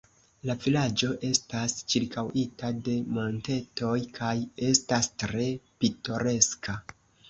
La vilaĝo estas ĉirkaŭita de montetoj kaj estas tre pitoreska.